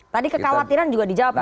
tadi kekhawatiran juga dijawab